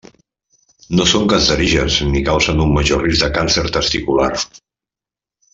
No són cancerígens ni causen un major risc de càncer testicular.